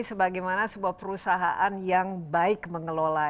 sebagaimana sebuah perusahaan yang baik mengelola